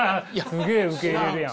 すげえ受け入れるやん。